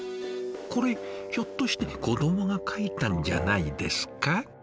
これひょっとして子どもが描いたんじゃないですか？